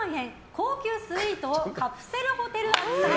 高級スイートをカプセルホテル扱い！